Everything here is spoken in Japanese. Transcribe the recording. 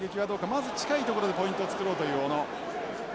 まず近い所でポイントを作ろうという小野。